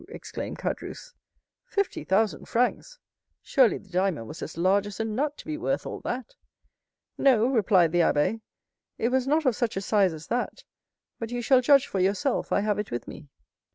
exclaimed Caderousse, "fifty thousand francs! Surely the diamond was as large as a nut to be worth all that." "No," replied the abbé, "it was not of such a size as that; but you shall judge for yourself. I have it with me."